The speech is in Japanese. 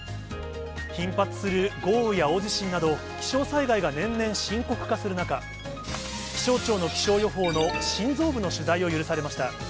頻発する豪雨や大地震など、気象災害が年々深刻化する中、気象庁の気象予報の心臓部の取材を許されました。